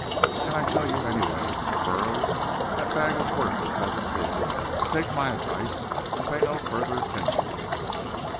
"And I tell you anyway, Mr. Burroughs, that bag is worthless as a clue. Take my advice, and pay no further attention to it."